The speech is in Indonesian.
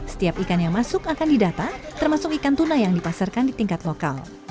setiap ikan yang masuk akan didata termasuk ikan tuna yang dipasarkan di tingkat lokal